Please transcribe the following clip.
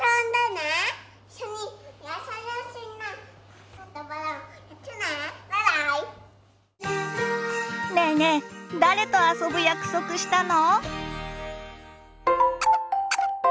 ねえねえ誰と遊ぶ約束したの？